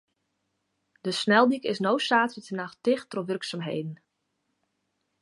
De sneldyk is no saterdeitenacht ticht troch wurksumheden.